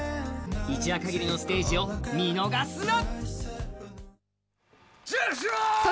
一夜かぎりのステージを見逃すな！